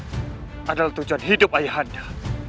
untuk menjalani tujuan hidup ayah anda